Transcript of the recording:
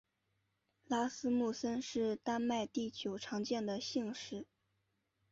拉斯穆森是丹麦第九常见的姓氏。